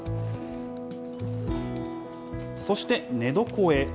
そして寝床へ。